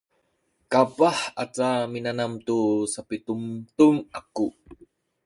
kapah aca minanam tu sapidundun aku